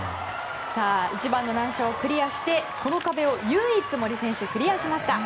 一番の難所をクリアしてこの壁を唯一、森選手はクリアしました。